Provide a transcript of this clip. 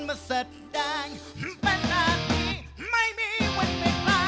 มีสักชีวิตสร้างอะไรไว้ก่อนตายและจะไม่มีวันเสียใจ